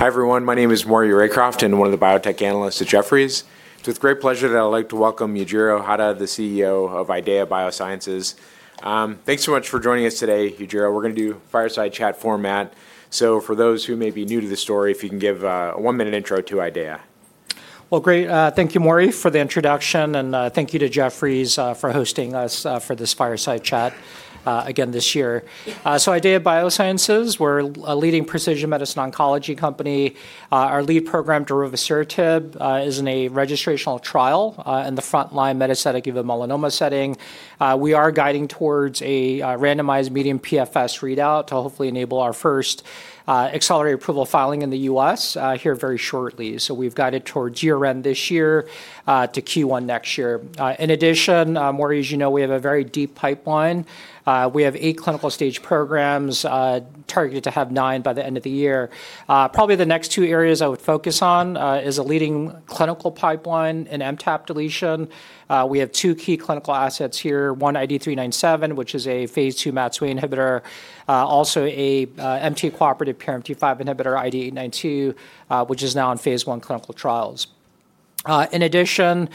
Hi everyone, my name is Maury Rycroft, and one of the biotech analysts at Jefferies. It's with great pleasure that I'd like to welcome Yujiro Hata, the CEO of IDEAYA Biosciences. Thanks so much for joining us today, Yujiro. We're going to do a fireside chat format. For those who may be new to the story, if you can give a one-minute intro to IDEAYA. Thank you, Maury, for the introduction, and thank you to Jefferies for hosting us for this fireside chat again this year. IDEAYA Biosciences, we're a leading precision medicine oncology company. Our lead program, darovasertib, is in a registrational trial in the frontline metastatic uveal melanoma setting. We are guiding towards a randomized median PFS readout to hopefully enable our first accelerated approval filing in the U.S. here very shortly. We've guided towards year-end this year to Q1 next year. In addition, Maury, as you know, we have a very deep pipeline. We have eight clinical stage programs targeted to have nine by the end of the year. Probably the next two areas I would focus on is a leading clinical pipeline in MTAP deletion. We have two key clinical assets here, one ID397, which is a phase II MAT2A inhibitor, also an MTAP-cooperative PRMT5 inhibitor, ID892, which is now in phase I clinical trials. In addition,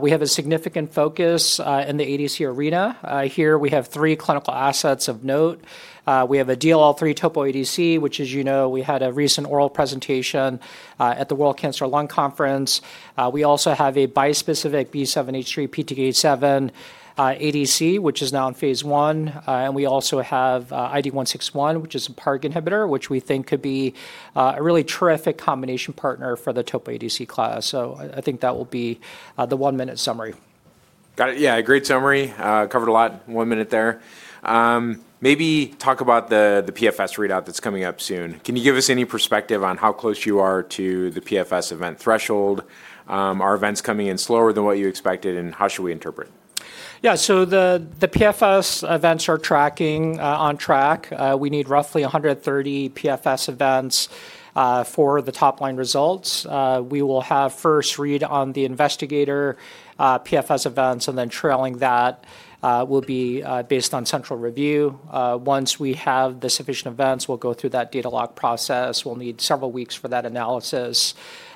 we have a significant focus in the ADC arena. Here we have three clinical assets of note. We have a DLL3 topo ADC, which, as you know, we had a recent oral presentation at the World Cancer Lung Conference. We also have a bispecific B7-H3/PTK7 ADC, which is now in phase I. We also have ID161, which is a PARG inhibitor, which we think could be a really terrific combination partner for the topo ADC class. I think that will be the one-minute summary. Got it. Yeah, great summary. Covered a lot in one minute there. Maybe talk about the PFS readout that's coming up soon. Can you give us any perspective on how close you are to the PFS event threshold? Are events coming in slower than what you expected, and how should we interpret? Yeah, so the PFS events are tracking on track. We need roughly 130 PFS events for the top line results. We will have first read on the investigator PFS events, and then trailing that will be based on central review. Once we have the sufficient events, we'll go through that data log process. We'll need several weeks for that analysis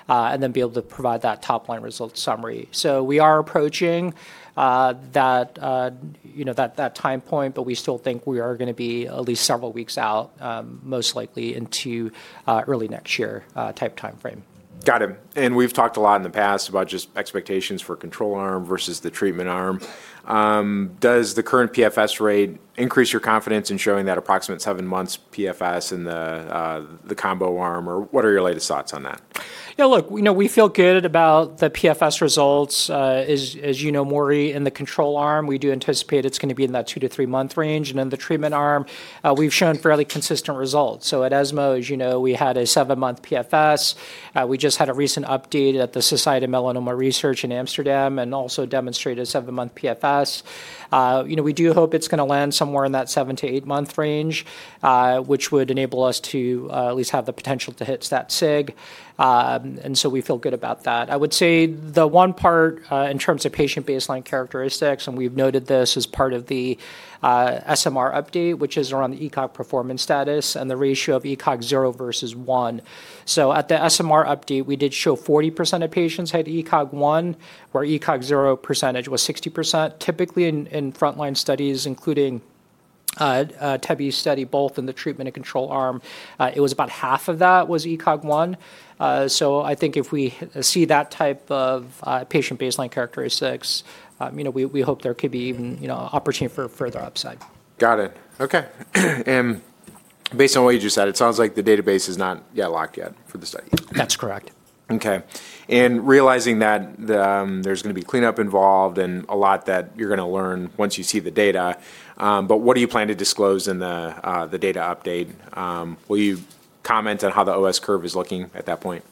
and then be able to provide that top line result summary. We are approaching that time point, but we still think we are going to be at least several weeks out, most likely into early next year type timeframe. Got it. We have talked a lot in the past about just expectations for control arm versus the treatment arm. Does the current PFS rate increase your confidence in showing that approximate seven months PFS in the combo arm, or what are your latest thoughts on that? Yeah, look, we feel good about the PFS results. As you know, Maury, in the control arm, we do anticipate it's going to be in that two-three month range. In the treatment arm, we've shown fairly consistent results. At ESMO, as you know, we had a seven-month PFS. We just had a recent update at the Society of Melanoma Research in Amsterdam and also demonstrated a seven-month PFS. We do hope it's going to land somewhere in that seven to eight-month range, which would enable us to at least have the potential to hit that SIG. We feel good about that. I would say the one part in terms of patient baseline characteristics, and we've noted this as part of the SMR update, which is around the ECOG performance status and the ratio of ECOG zero versus one. At the SMR update, we did show 40% of patients had ECOG 1, where ECOG 0 percentage was 60%. Typically, in frontline studies, including the TEBI study, both in the treatment and control arm, it was about half of that was ECOG 1. I think if we see that type of patient baseline characteristics, we hope there could be an opportunity for further upside. Got it. Okay. Based on what you just said, it sounds like the database is not yet locked yet for the study. That's correct. Okay. Realizing that there's going to be cleanup involved and a lot that you're going to learn once you see the data, what do you plan to disclose in the data update? Will you comment on how the OS curve is looking at that point?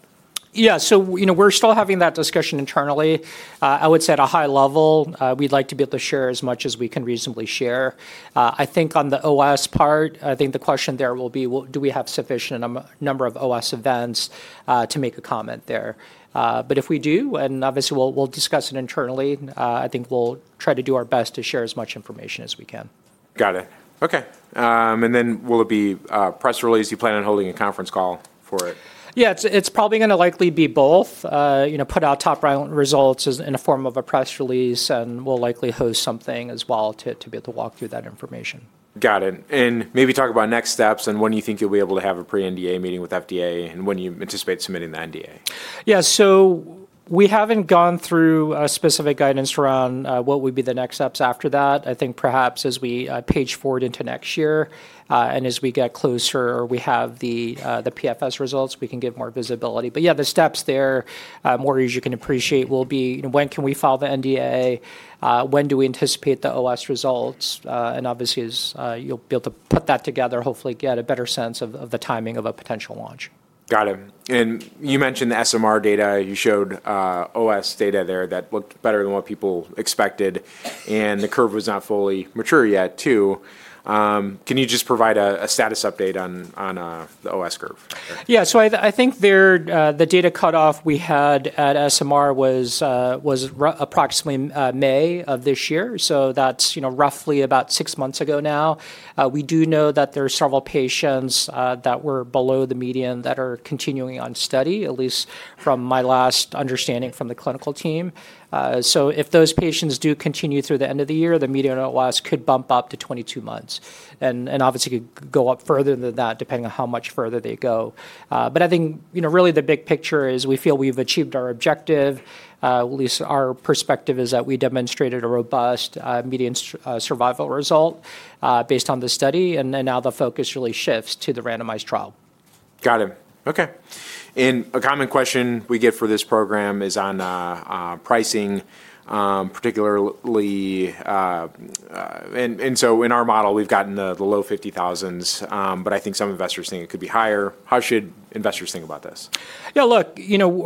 Yeah, so we're still having that discussion internally. I would say at a high level, we'd like to be able to share as much as we can reasonably share. I think on the OS part, I think the question there will be, do we have sufficient number of OS events to make a comment there? If we do, and obviously we'll discuss it internally, I think we'll try to do our best to share as much information as we can. Got it. Okay. Will it be a press release? You plan on holding a conference call for it? Yeah, it's probably going to likely be both. Put out top line results in the form of a press release, and we'll likely host something as well to be able to walk through that information. Got it. Maybe talk about next steps, and when do you think you'll be able to have a pre-NDA meeting with FDA, and when do you anticipate submitting the NDA? Yeah, so we haven't gone through specific guidance around what would be the next steps after that. I think perhaps as we page forward into next year and as we get closer or we have the PFS results, we can give more visibility. Yeah, the steps there, Maury, as you can appreciate, will be when can we file the NDA, when do we anticipate the OS results, and obviously you'll be able to put that together, hopefully get a better sense of the timing of a potential launch. Got it. You mentioned the SMR data. You showed OS data there that looked better than what people expected, and the curve was not fully mature yet too. Can you just provide a status update on the OS curve? Yeah, so I think the data cutoff we had at SMR was approximately May of this year. That is roughly about six months ago now. We do know that there are several patients that were below the median that are continuing on study, at least from my last understanding from the clinical team. If those patients do continue through the end of the year, the median OS could bump up to 22 months. It obviously could go up further than that depending on how much further they go. I think really the big picture is we feel we have achieved our objective. At least our perspective is that we demonstrated a robust median survival result based on the study, and now the focus really shifts to the randomized trial. Got it. Okay. A common question we get for this program is on pricing, particularly. In our model, we've gotten the low $50,000s, but I think some investors think it could be higher. How should investors think about this? Yeah, look,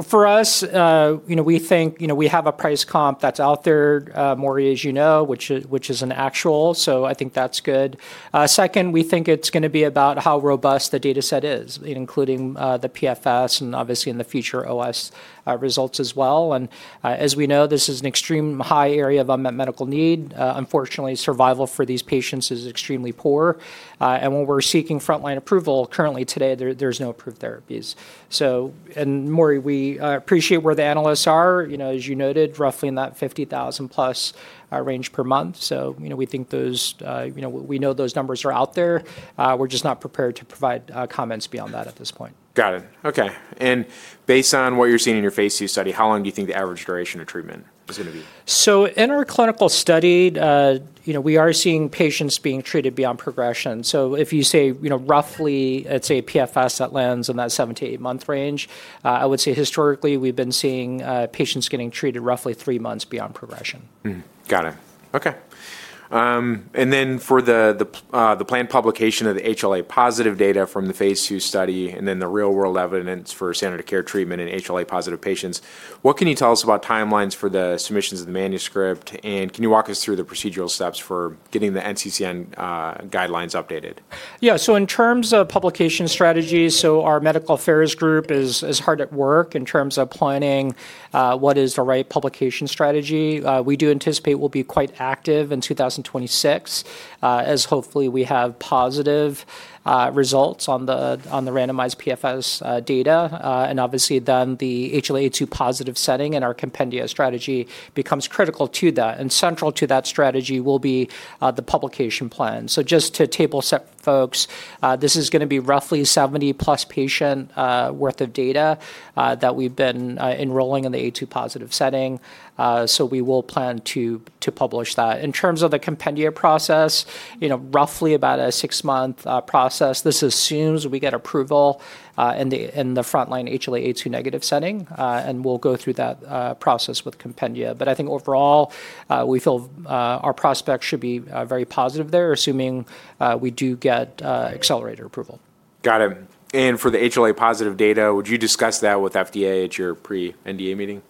for us, we think we have a price comp that's out there, Maury, as you know, which is an actual. I think that's good. Second, we think it's going to be about how robust the dataset is, including the PFS and obviously in the future OS results as well. As we know, this is an extreme high area of unmet medical need. Unfortunately, survival for these patients is extremely poor. When we're seeking frontline approval currently today, there's no approved therapies. Maury, we appreciate where the analysts are. As you noted, roughly in that $50,000+ range per month. We think we know those numbers are out there. We're just not prepared to provide comments beyond that at this point. Got it. Okay. Based on what you're seeing in your phase II study, how long do you think the average duration of treatment is going to be? In our clinical study, we are seeing patients being treated beyond progression. If you say roughly, let's say PFS that lands in that seven- to eight-month range, I would say historically we've been seeing patients getting treated roughly three months beyond progression. Got it. Okay. For the planned publication of the HLA-positive data from the phase II study and the real-world evidence for standard of care treatment in HLA-positive patients, what can you tell us about timelines for the submissions of the manuscript? Can you walk us through the procedural steps for getting the NCCN guidelines updated? Yeah, so in terms of publication strategies, our medical affairs group is hard at work in terms of planning what is the right publication strategy. We do anticipate we'll be quite active in 2026 as hopefully we have positive results on the randomized PFS data. Obviously then the HLA-A*02-positive setting and our compendia strategy becomes critical to that. Central to that strategy will be the publication plan. Just to table set folks, this is going to be roughly 70-plus patient worth of data that we've been enrolling in the A*02-positive setting. We will plan to publish that. In terms of the compendia process, roughly about a six-month process. This assumes we get approval in the frontline HLA-A*02-negative setting, and we'll go through that process with compendia. I think overall, we feel our prospects should be very positive there, assuming we do get accelerated approval. Got it. For the HLA-positive data, would you discuss that with FDA at your pre-NDA meeting?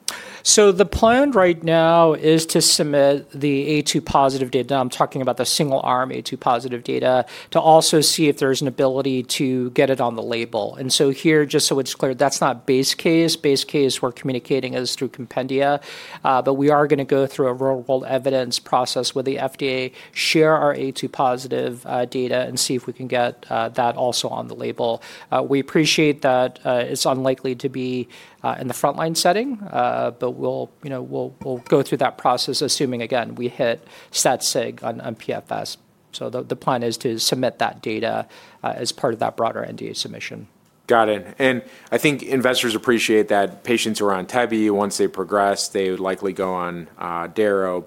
The plan right now is to submit the A2-positive data. I'm talking about the single-arm A2-positive data to also see if there's an ability to get it on the label. Here, just so it's clear, that's not base case. Base case we're communicating is through compendia. We are going to go through a real-world evidence process where the FDA share our A2-positive data and see if we can get that also on the label. We appreciate that it's unlikely to be in the frontline setting, but we'll go through that process assuming, again, we hit stat SIG on PFS. The plan is to submit that data as part of that broader NDA submission. Got it. I think investors appreciate that patients who are on TEBI, once they progress, they would likely go on Dara.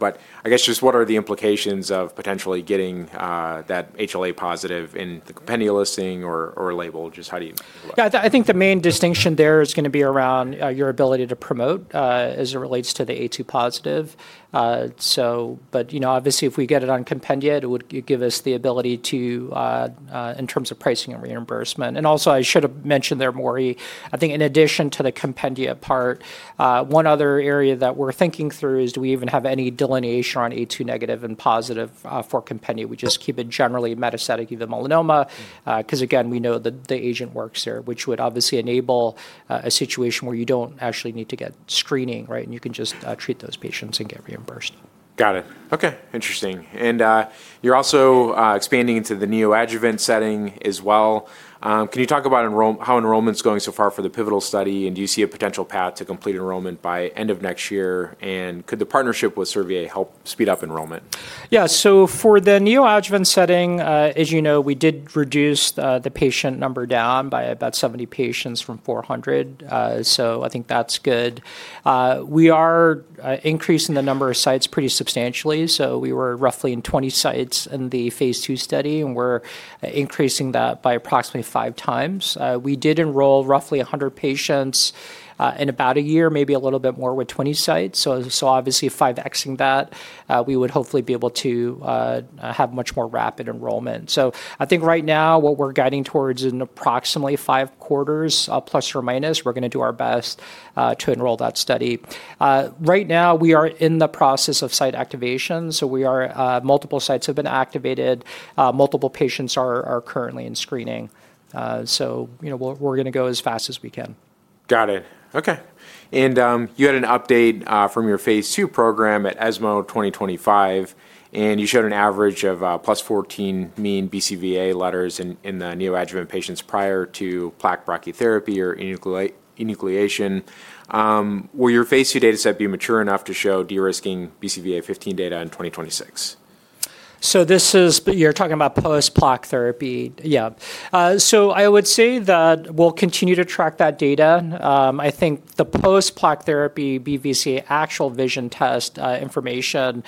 I guess just what are the implications of potentially getting that HLA-A*02-positive in the compendia listing or label? Just how do you look? Yeah, I think the main distinction there is going to be around your ability to promote as it relates to the A2-positive. Obviously, if we get it on compendia, it would give us the ability to, in terms of pricing and reimbursement. I should have mentioned there, Maury, I think in addition to the compendia part, one other area that we're thinking through is do we even have any delineation on A2-negative and positive for compendia? We just keep it generally metastatic uveal melanoma, because again, we know that the agent works there, which would obviously enable a situation where you do not actually need to get screening, right? You can just treat those patients and get reimbursed. Got it. Okay. Interesting. You are also expanding into the neoadjuvant setting as well. Can you talk about how enrollment's going so far for the pivotal study? Do you see a potential path to complete enrollment by end of next year? Could the partnership with Servier help speed up enrollment? Yeah, so for the neoadjuvant setting, as you know, we did reduce the patient number down by about 70 patients from 400. I think that's good. We are increasing the number of sites pretty substantially. We were roughly in 20 sites in the phase II study, and we're increasing that by approximately five times. We did enroll roughly 100 patients in about a year, maybe a little bit more with 20 sites. Obviously, 5Xing that, we would hopefully be able to have much more rapid enrollment. I think right now what we're guiding towards is in approximately five quarters plus or minus. We're going to do our best to enroll that study. Right now, we are in the process of site activation. Multiple sites have been activated. Multiple patients are currently in screening. We're going to go as fast as we can. Got it. Okay. You had an update from your phase II program at ESMO 2025, and you showed an average of plus 14 mean BCVA letters in the neoadjuvant patients prior to plaque brachytherapy or enucleation. Will your phase II dataset be mature enough to show de-risking BCVA 15 data in 2026? You're talking about post plaque therapy? Yeah. I would say that we'll continue to track that data. I think the post plaque therapy BCVA actual vision test information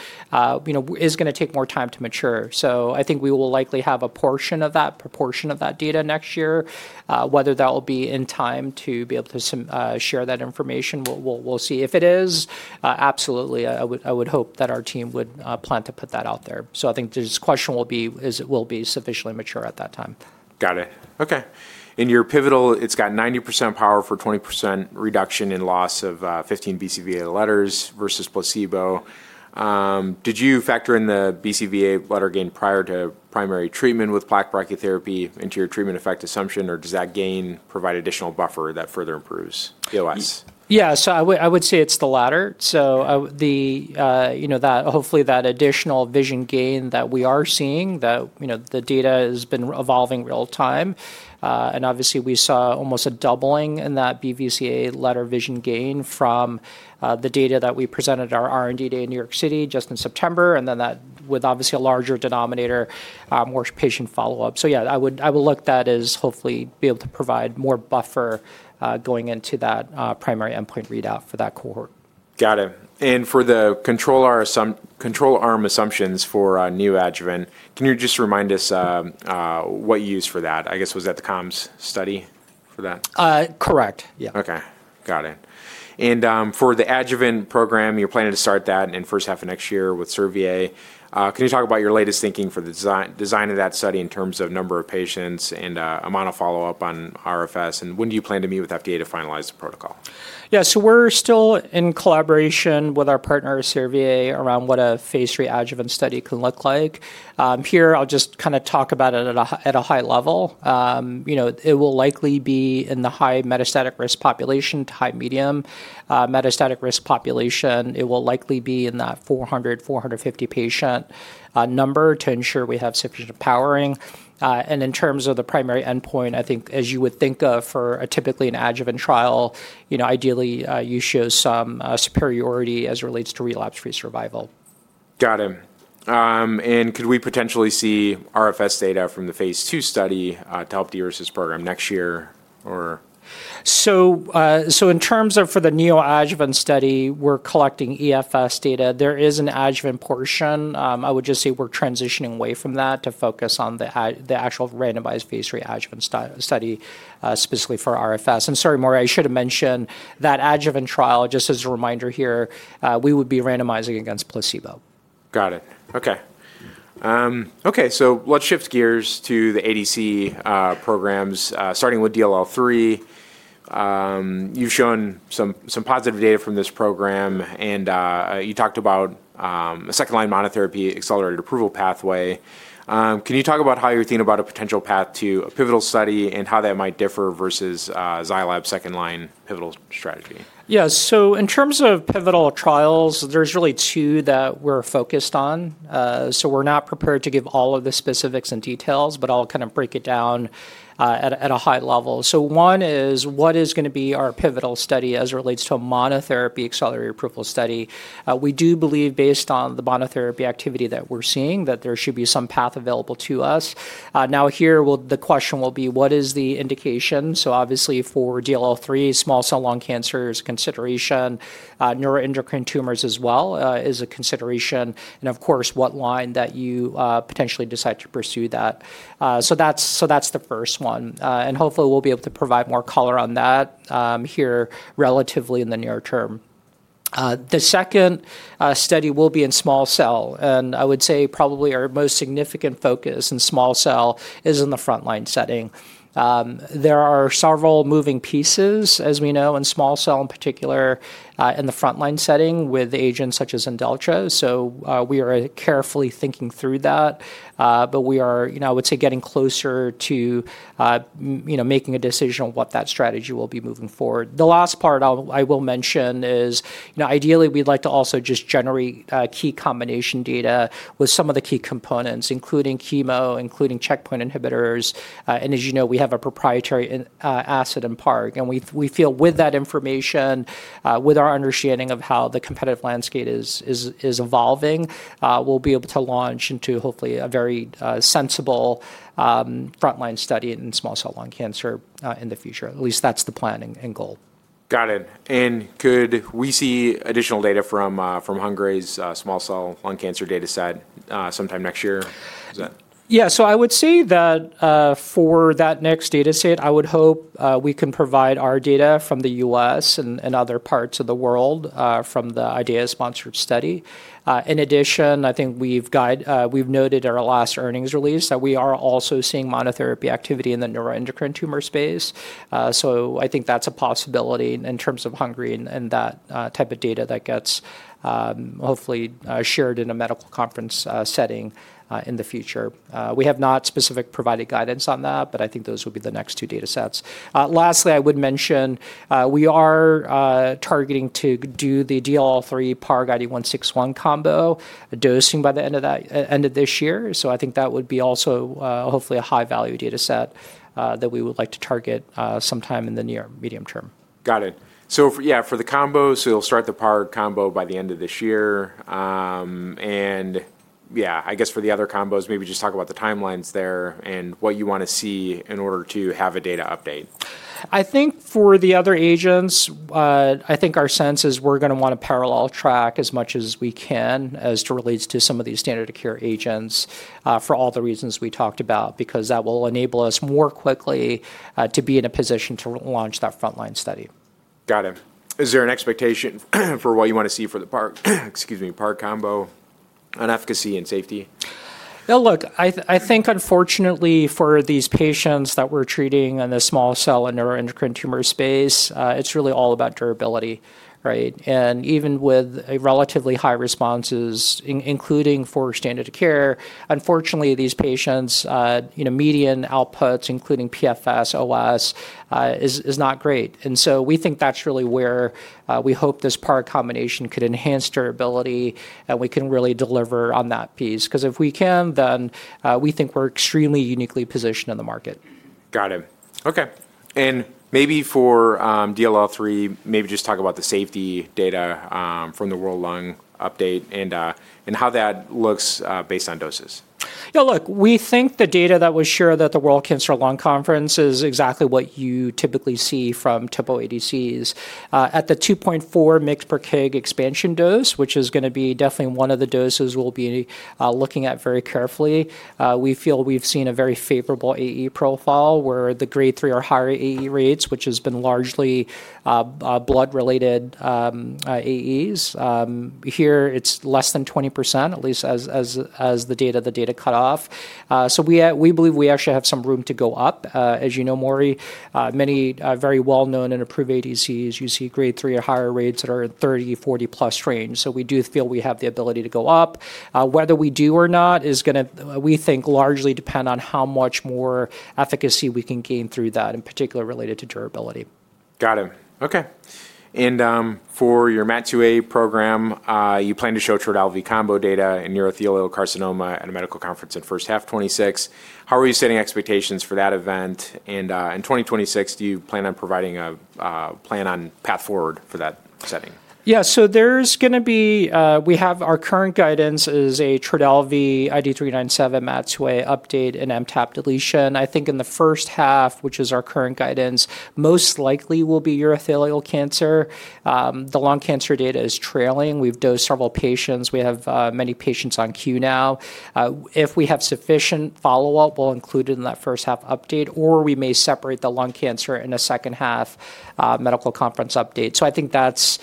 is going to take more time to mature. I think we will likely have a portion of that, proportion of that data next year. Whether that will be in time to be able to share that information, we'll see. If it is, absolutely, I would hope that our team would plan to put that out there. I think the question will be, is it will be sufficiently mature at that time. Got it. Okay. Your pivotal, it's got 90% power for 20% reduction in loss of 15 BCVA letters versus placebo. Did you factor in the BCVA letter gain prior to primary treatment with plaque brachytherapy into your treatment effect assumption, or does that gain provide additional buffer that further improves the OS? Yeah, so I would say it's the latter. Hopefully that additional vision gain that we are seeing, the data has been evolving real time. Obviously, we saw almost a doubling in that BCVA letter vision gain from the data that we presented at our R&D day in New York City just in September, and then that with a larger denominator, more patient follow-up. Yeah, I will look at that as hopefully being able to provide more buffer going into that primary endpoint readout for that cohort. Got it. For the control arm assumptions for neoadjuvant, can you just remind us what you used for that? I guess was that the comms study for that? Correct. Yeah. Okay. Got it. For the adjuvant program, you're planning to start that in the first half of next year with Servier. Can you talk about your latest thinking for the design of that study in terms of number of patients and amount of follow-up on RFS? When do you plan to meet with FDA to finalize the protocol? Yeah, so we're still in collaboration with our partner Servier around what a phase III adjuvant study can look like. Here, I'll just kind of talk about it at a high level. It will likely be in the high metastatic risk population, high medium metastatic risk population. It will likely be in that 400 patient-450 patient number to ensure we have sufficient powering. In terms of the primary endpoint, I think as you would think of for typically an adjuvant trial, ideally you show some superiority as it relates to relapse-free survival. Got it. Could we potentially see RFS data from the phase II study to help the URSS program next year? In terms of for the neoadjuvant study, we're collecting EFS data. There is an adjuvant portion. I would just say we're transitioning away from that to focus on the actual randomized phase III adjuvant study specifically for RFS. Sorry, Maury, I should have mentioned that adjuvant trial, just as a reminder here, we would be randomizing against placebo. Got it. Okay. Okay. Let's shift gears to the ADC programs starting with DLL3. You've shown some positive data from this program, and you talked about a second-line monotherapy accelerated approval pathway. Can you talk about how you're thinking about a potential path to a pivotal study and how that might differ versus Xylab second-line pivotal strategy? Yeah. In terms of pivotal trials, there are really two that we are focused on. We are not prepared to give all of the specifics and details, but I will kind of break it down at a high level. One is what is going to be our pivotal study as it relates to a monotherapy accelerated approval study. We do believe based on the monotherapy activity that we are seeing that there should be some path available to us. Here, the question will be what is the indication. Obviously for DLL3, small cell lung cancer is a consideration. Neuroendocrine tumors as well is a consideration. Of course, what line that you potentially decide to pursue that. That is the first one. Hopefully we will be able to provide more color on that here relatively in the near term. The second study will be in small cell. I would say probably our most significant focus in small cell is in the frontline setting. There are several moving pieces, as we know, in small cell, in particular in the frontline setting with agents such as InDelta. We are carefully thinking through that, but we are, I would say, getting closer to making a decision on what that strategy will be moving forward. The last part I will mention is ideally we'd like to also just generate key combination data with some of the key components, including chemo, including checkpoint inhibitors. As you know, we have a proprietary asset in PARG. We feel with that information, with our understanding of how the competitive landscape is evolving, we'll be able to launch into hopefully a very sensible frontline study in small cell lung cancer in the future. At least that's the plan and goal. Got it. Could we see additional data from Hungary's small cell lung cancer dataset sometime next year? Yeah. I would say that for that next dataset, I would hope we can provide our data from the U.S. and other parts of the world from the IDEAYA sponsored study. In addition, I think we've noted at our last earnings release that we are also seeing monotherapy activity in the neuroendocrine tumor space. I think that's a possibility in terms of Hungary and that type of data that gets hopefully shared in a medical conference setting in the future. We have not specifically provided guidance on that, but I think those will be the next two datasets. Lastly, I would mention we are targeting to do the DLL3 PARC ID161 combo dosing by the end of this year. I think that would be also hopefully a high-value dataset that we would like to target sometime in the near medium term. Got it. Yeah, for the combo, you'll start the PARG combo by the end of this year. I guess for the other combos, maybe just talk about the timelines there and what you want to see in order to have a data update. I think for the other agents, I think our sense is we're going to want to parallel track as much as we can as it relates to some of these standard of care agents for all the reasons we talked about, because that will enable us more quickly to be in a position to launch that frontline study. Got it. Is there an expectation for what you want to see for the PARG, excuse me, PARG combo on efficacy and safety? Yeah, look, I think unfortunately for these patients that we're treating in the small cell and neuroendocrine tumor space, it's really all about durability, right? Even with relatively high responses, including for standard of care, unfortunately these patients' median outputs, including PFS, OS, is not great. We think that's really where we hope this PARG combination could enhance durability and we can really deliver on that piece. Because if we can, then we think we're extremely uniquely positioned in the market. Got it. Okay. Maybe for DLL3, maybe just talk about the safety data from the World Lung Update and how that looks based on doses. Yeah, look, we think the data that was shared at the World Cancer Lung Conference is exactly what you typically see from typical ADCs. At the 2.4 mg/kg expansion dose, which is going to be definitely one of the doses we'll be looking at very carefully, we feel we've seen a very favorable AE profile where the grade three or higher AE rates, which has been largely blood-related AEs. Here, it's less than 20%, at least as the data cut off. We believe we actually have some room to go up. As you know, Maury, many very well-known and approved ADCs, you see grade three or higher rates that are in the 30%-40% plus range. We do feel we have the ability to go up. Whether we do or not is going to, we think, largely depend on how much more efficacy we can gain through that, in particular related to durability. Got it. Okay. For your MAT2A program, you plan to show Trodalvy combo data in urothelial carcinoma at a medical conference in the first half of 2026. How are you setting expectations for that event? In 2026, do you plan on providing a plan on path forward for that setting? Yeah, so there's going to be, we have our current guidance is a Trodalvy ID397 MAT2A update and MTAP deletion. I think in the first half, which is our current guidance, most likely will be urothelial cancer. The lung cancer data is trailing. We've dosed several patients. We have many patients on queue now. If we have sufficient follow-up, we'll include it in that first half update, or we may separate the lung cancer in a second half medical conference update. I think that's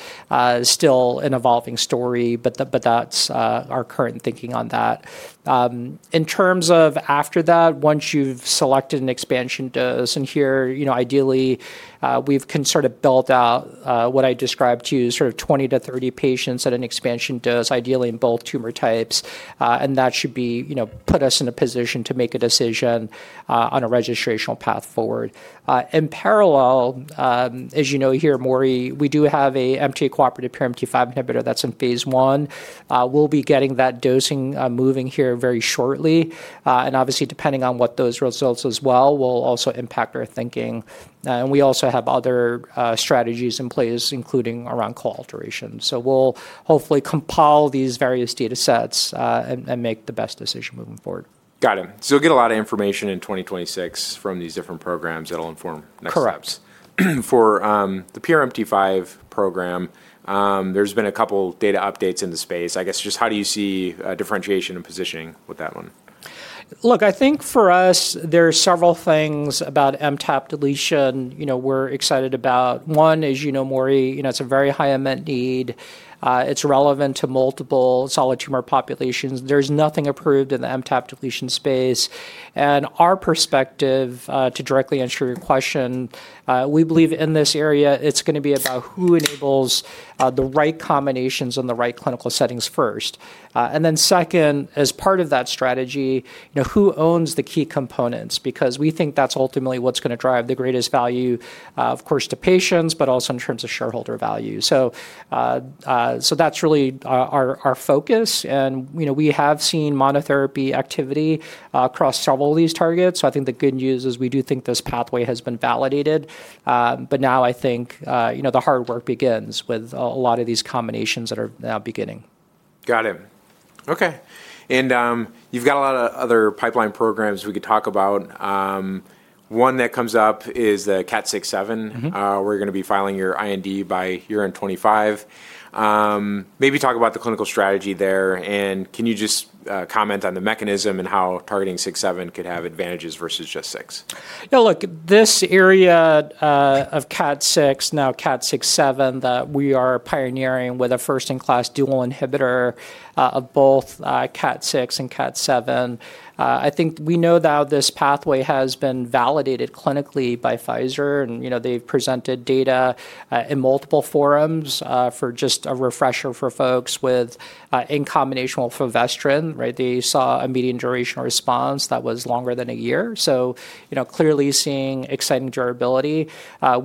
still an evolving story, but that's our current thinking on that. In terms of after that, once you've selected an expansion dose, and here, ideally, we've sort of built out what I described to you, sort of 20 patients-30 patients at an expansion dose, ideally in both tumor types. That should put us in a position to make a decision on a registrational path forward. In parallel, as you know here, Maury, we do have an MTAP-cooperative PRMT5 inhibitor that's in phase I. We'll be getting that dosing moving here very shortly. Obviously, depending on what those results as well, will also impact our thinking. We also have other strategies in place, including around co-alteration. We'll hopefully compile these various datasets and make the best decision moving forward. Got it. You'll get a lot of information in 2026 from these different programs that'll inform next steps. Correct. For the PRMT5 program, there's been a couple of data updates in the space. I guess just how do you see differentiation and positioning with that one? Look, I think for us, there are several things about MTAP deletion we're excited about. One, as you know, Maury, it's a very high immense need. It's relevant to multiple solid tumor populations. There's nothing approved in the MTAP deletion space. In our perspective, to directly answer your question, we believe in this area, it's going to be about who enables the right combinations and the right clinical settings first. Second, as part of that strategy, who owns the key components? Because we think that's ultimately what's going to drive the greatest value, of course, to patients, but also in terms of shareholder value. That's really our focus. We have seen monotherapy activity across several of these targets. I think the good news is we do think this pathway has been validated. I think the hard work begins with a lot of these combinations that are now beginning. Got it. Okay. You have got a lot of other pipeline programs we could talk about. One that comes up is the CAT67. We are going to be filing your IND by year end 2025. Maybe talk about the clinical strategy there. Can you just comment on the mechanism and how targeting six/seven could have advantages versus just six? Yeah, look, this area of CAT6, now CAT67, that we are pioneering with a first-in-class dual inhibitor of both CAT6 and CAT7. I think we know now this pathway has been validated clinically by Pfizer. They have presented data in multiple forums for just a refresher for folks with in combination with fivestrin, right? They saw a median duration response that was longer than a year. Clearly seeing exciting durability.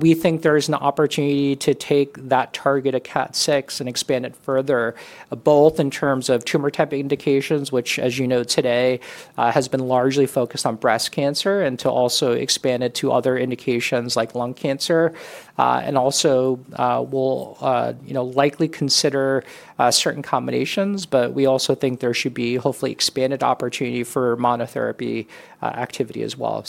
We think there is an opportunity to take that target of CAT6 and expand it further, both in terms of tumor type indications, which, as you know, today has been largely focused on breast cancer, and to also expand it to other indications like lung cancer. We will likely consider certain combinations, but we also think there should be hopefully expanded opportunity for monotherapy activity as well.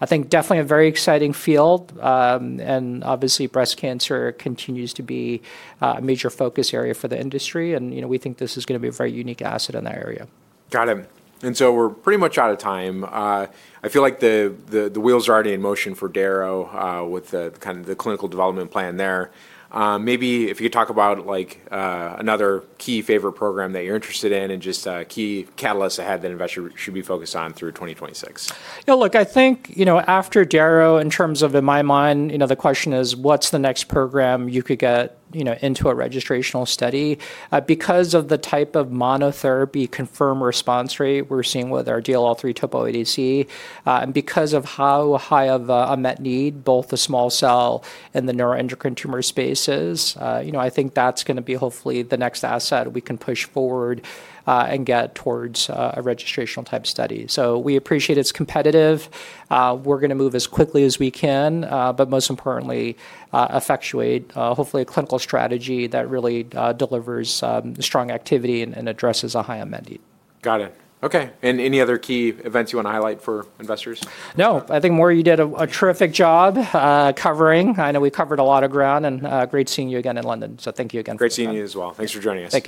I think definitely a very exciting field. Obviously breast cancer continues to be a major focus area for the industry. We think this is going to be a very unique asset in that area. Got it. We are pretty much out of time. I feel like the wheels are already in motion for Dara with kind of the clinical development plan there. Maybe if you could talk about another key favorite program that you're interested in and just key catalysts ahead that investors should be focused on through 2026. Yeah, look, I think after Dara, in terms of in my mind, the question is what's the next program you could get into a registrational study? Because of the type of monotherapy confirmed response rate we're seeing with our DLL3 typical ADC, and because of how high of a met need both the small cell and the neuroendocrine tumor spaces, I think that's going to be hopefully the next asset we can push forward and get towards a registrational type study. We appreciate it's competitive. We're going to move as quickly as we can, but most importantly, effectuate hopefully a clinical strategy that really delivers strong activity and addresses a high immense need. Got it. Okay. Any other key events you want to highlight for investors? No, I think Maury, you did a terrific job covering. I know we covered a lot of ground and great seeing you again in London. Thank you again. Great seeing you as well. Thanks for joining us.